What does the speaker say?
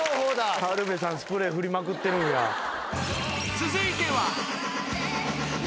［続いては］